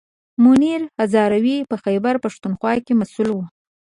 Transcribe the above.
منیر هزاروي په خیبر پښتونخوا کې مسوول و.